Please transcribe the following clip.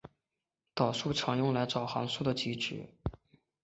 导数常用来找函数的极值。